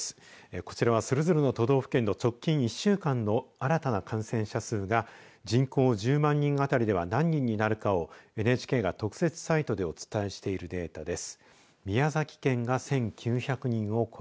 こちらは、それぞれの都道府県の直近１週間の新たな感染者数が人口１０万人当たりでは何人になるかをＮＨＫが特設サイトでお伝えしているデータです。